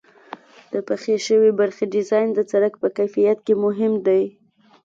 د پخې شوې برخې ډیزاین د سرک په کیفیت کې مهم دی